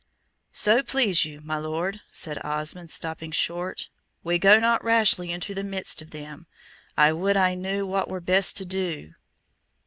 "So please you, my Lord," said Osmond, stopping short, "we go not rashly into the midst of them. I would I knew what were best to do."